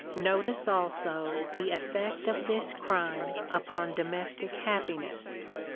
Notice also the effect of this crime upon domestic happiness.